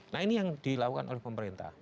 nah ini yang dilakukan oleh pemerintah